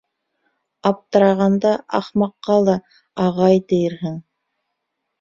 Аптырағанда ахмаҡҡа ла «ағай» тиерһең.